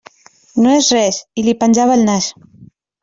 No és res, i li penjava el nas.